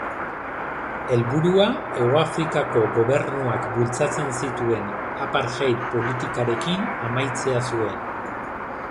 Helburua Hegoafrikako Gobernuak bultzatzen zituen apartheid politikarekin amaitzea zuen.